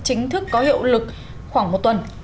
chính thức có hiệu lực khoảng một tuần